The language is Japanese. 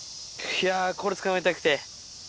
これ、捕まえたくて。